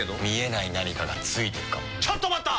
見えない何かがついてるかも。